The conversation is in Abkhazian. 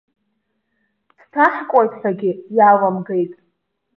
Дҭаҳкуеит ҳәагьы иаламгеит.